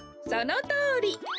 そのとおり。